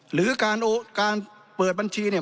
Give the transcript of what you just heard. หรือการเปิดบัญชีเนี่ย